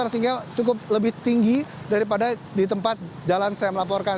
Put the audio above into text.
sehingga cukup lebih tinggi daripada di tempat jalan saya melaporkan